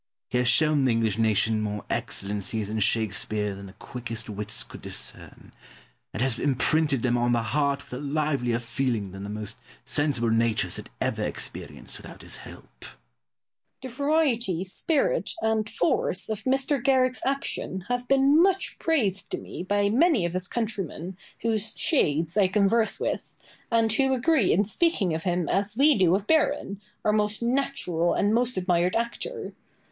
He has shown the English nation more excellencies in Shakespeare than the quickest wits could discern, and has imprinted them on the heart with a livelier feeling than the most sensible natures had ever experienced without his help. Boileau. The variety, spirit, and force of Mr. Garrick's action have been much praised to me by many of his countrymen, whose shades I converse with, and who agree in speaking of him as we do of Baron, our most natural and most admired actor.